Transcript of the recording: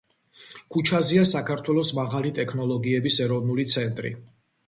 ქუჩაზეა საქართველოს მაღალი ტექნოლოგიების ეროვნული ცენტრი.